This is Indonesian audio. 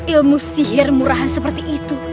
ilmu sihir murahan seperti itu